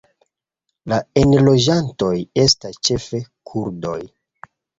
La enloĝantoj estas ĉefe kurdoj.